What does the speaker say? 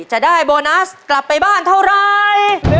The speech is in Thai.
จะได้โบนัสกลับไปบ้านเท่าไร